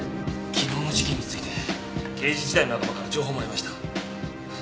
昨日の事件について刑事時代の仲間から情報をもらいました。